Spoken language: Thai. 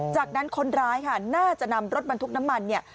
จากนั้นคนร้ายค่ะน่าจะนำรถบรรทุกน้ำมันเนี่ย